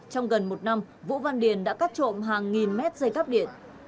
trong gần một năm vũ văn điền đã cắt trộm hàng nghìn mét dây cắp điện